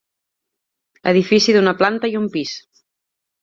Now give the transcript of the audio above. Edifici d'una planta i un pis.